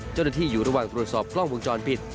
เจ้าหน้าที่อยู่ระหว่างตรวจสอบกล้องวงจรปิด